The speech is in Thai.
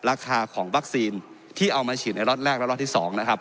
ราคาของวัคซีนที่เอามาฉีดในล็อตแรกและล็อตที่๒นะครับ